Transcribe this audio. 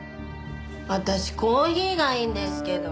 私コーヒーがいいんですけど。